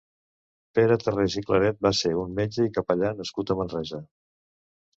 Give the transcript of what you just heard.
Pere Tarrés i Claret va ser un metge i capellà nascut a Manresa.